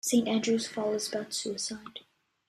"Saint Andrew's Fall" is about suicide.